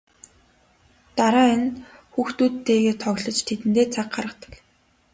Дараа нь хүүхдүүдтэйгээ тоглож тэдэндээ цаг гаргадаг.